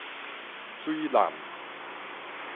水湳